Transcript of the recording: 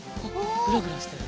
グラグラしてる。